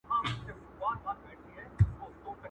چا خندله چا به ټوکي جوړولې؛